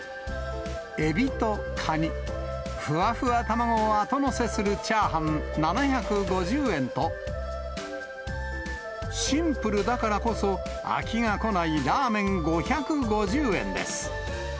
エビとカニ、ふわふわ卵を後載せするチャーハン７５０円と、シンプルだからこそ飽きがこないラーメン５５０円です。